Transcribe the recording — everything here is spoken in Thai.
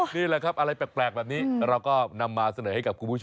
นี่แหละครับอะไรแปลกเรานำซะเงยให้กับคุณผู้ชม